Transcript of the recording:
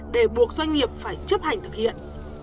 để buộc doanh nghiệp phải chấp hành thực hiện